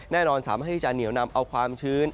แน่นอนสามารถที่จะเหนียวนำเอาความชื้น